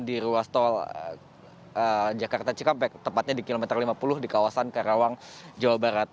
di ruas tol jakarta cikampek tepatnya di kilometer lima puluh di kawasan karawang jawa barat